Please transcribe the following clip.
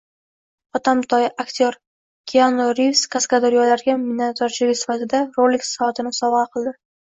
Hotamtoy aktyor: Kianu Rivz kaskadyorlariga minnatdorchilik sifatida Rolex soatini sovg‘a qildi